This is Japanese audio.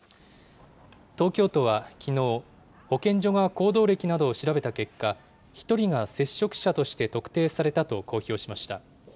東京都はきのう、保健所が行動歴などを調べた結果、１人が接触者として特定されたと公表しました。